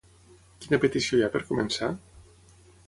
Quina petició hi ha per començar?